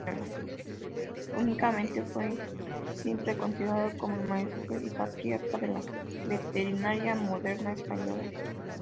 Unánimemente fue siempre considerado como el Maestro y Patriarca de la veterinaria moderna Española.